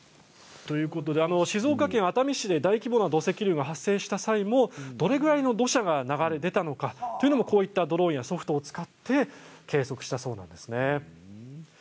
静岡県熱海市で大規模な土石流が発生した際もどれくらいの土砂が流れ出たのかということも、こういったドローンやソフトを使って計測したそうなんです。